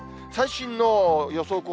最新の予想